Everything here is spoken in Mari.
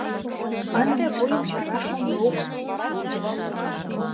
Ынде вуйым чараш ом лук.